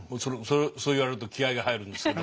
そう言われると気合いが入るんですけど。